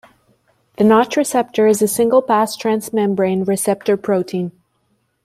The notch receptor is a single-pass transmembrane receptor protein.